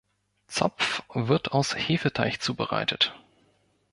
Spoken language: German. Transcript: Zopf wird aus Hefeteig zubereitet.